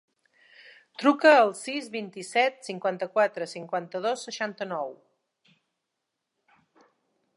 Truca al sis, vint-i-set, cinquanta-quatre, cinquanta-dos, seixanta-nou.